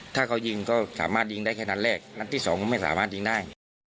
ถ้าเขายิงก็สามารถยิงได้แค่นัดแรกนัดที่สองก็ไม่สามารถยิงได้